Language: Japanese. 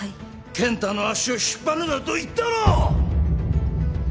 健太の足を引っ張るなと言ったろう！